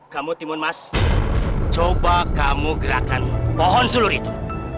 kamu timun mas coba kamu gerakan pohon sulur itu